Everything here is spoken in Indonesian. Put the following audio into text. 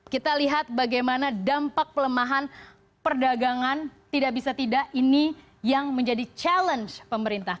kita lihat bagaimana dampak pelemahan perdagangan tidak bisa tidak ini yang menjadi challenge pemerintah